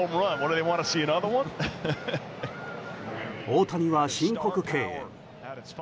大谷は申告敬遠。